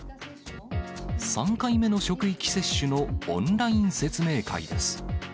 ３回目の職域接種のオンライン説明会です。